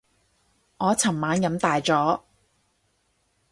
我尋晚飲大咗